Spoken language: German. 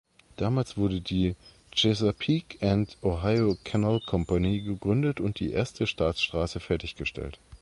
Damals wurde die "Chesapeake and Ohio Canal Company" gegründet und die erste Staatsstraße fertiggestellt.